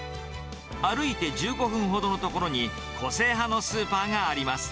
歩いて１５分ほどの所に、個性派のスーパーがあります。